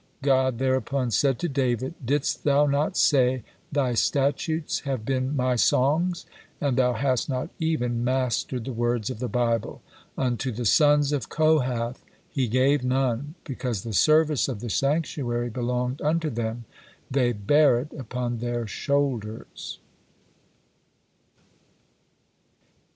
God thereupon said to David, "Didst thou not say, 'Thy statutes have been my songs?' and thou hast not even mastered the words of the Bible, 'Unto the sons of Kohath he gave none: because the service of the sanctuary belonged unto them; they bare it upon their shoulders.'"